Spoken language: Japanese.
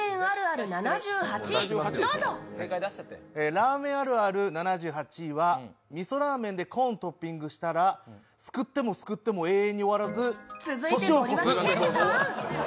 ラーメンあるある７８位はみそ噌ラーメンでコーントッピングしたらすくってもすくっても永遠に終わらず年を越す。